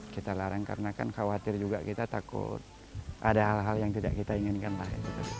kita larang karena kan khawatir juga kita takut ada hal hal yang tidak kita inginkan lah